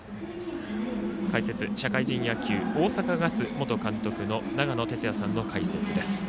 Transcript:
解説、社会人野球大阪ガス元監督の長野哲也さんの解説です。